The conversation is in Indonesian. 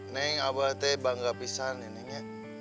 neng abah teh bangga pisah nih neng